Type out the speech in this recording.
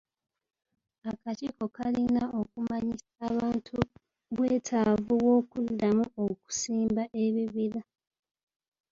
Akakiiko kalina okumanyisa abantu bwetaavu bw'okuddamu okusimba ebibira.